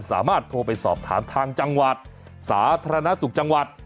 สามารถโทรไปสอบถามทางจังหวัดสาธารณสุขจังหวัด